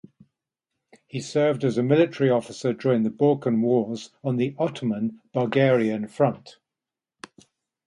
He served as a military officer during the Balkan Wars on the Ottoman-Bulgarian front.